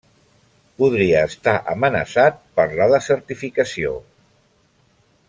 Podria estar amenaçat per la desertificació.